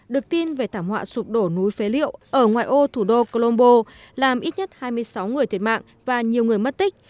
được tin về thảm họa sụp đổ núi phế liệu ở ngoài ô thủ đô colombo làm ít nhất hai mươi sáu người thiệt mạng và nhiều người mất tích